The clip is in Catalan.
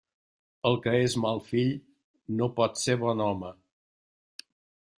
El que és mal fill no pot ser bon home.